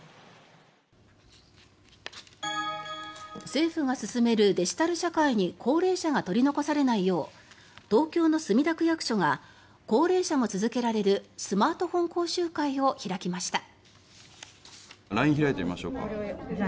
政府が進めるデジタル社会に高齢者が取り残されないよう東京の墨田区役所が高齢者も続けられるスマートフォン講習会を開きました。